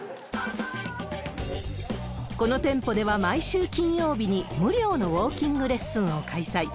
この店舗では、毎週金曜日に無料のウォーキングレッスンを開催。